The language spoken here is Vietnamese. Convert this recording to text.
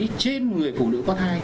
trên người phụ nữ có thai